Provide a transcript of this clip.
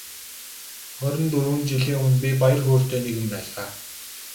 Хорин дөрвөн жилийн өмнө би баяр хөөртэй нэгэн байлаа.